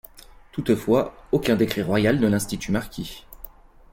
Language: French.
Toutefois, aucun décret royal ne l’institue marquis.